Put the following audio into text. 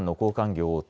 業大手